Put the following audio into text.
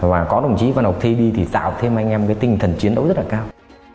và có đồng chí phan ngọc thi đi thì tạo thêm anh em cái tinh thần chiến đấu rất là cao